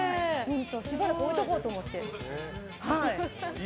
しばらく置いておこうと思って。